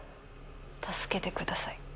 助けてください。